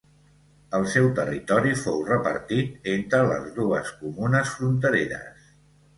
El seu territori fou repartit entre les dues comunes frontereres.